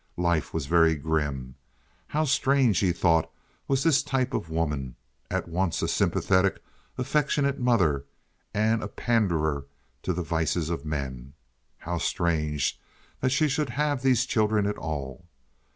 Life was very grim. How strange, he thought, was this type of woman—at once a sympathetic, affectionate mother and a panderer to the vices of men. How strange that she should have these children at all.